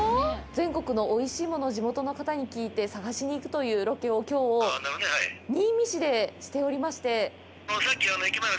全国のおいしいものを地元の方に聞いて探しに行くというロケをきょう新見市でしておりまして。